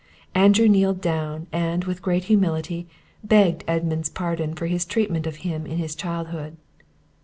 Andrew kneeled down, and, with great humility, begged Edmund's pardon for his treatment of him in his childhood.